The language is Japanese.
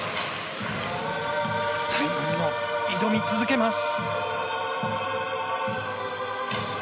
最後にも挑み続けます。